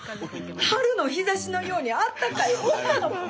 春の日ざしのようにあったかい女の子！